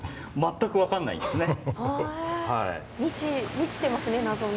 満ちてますね謎に。